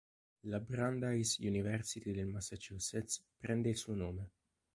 La Brandeis University del Massachusetts prende il suo nome.